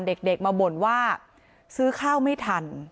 เด็กมาบ่นว่าซื้อข้าวไม่ทัน